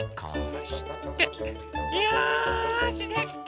よしできた！